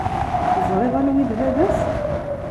Teẓriḍ anwa i d baba-s?